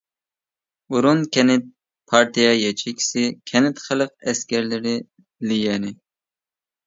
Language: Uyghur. ئورۇن كەنت پارتىيە ياچېيكىسى، كەنت خەلق ئەسكەرلىرى ليەنى.